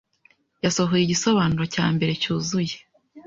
yasohoye igisobanuro cya mbere cyuzuye